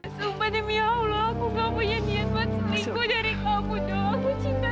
sampai jumpa di video selanjutnya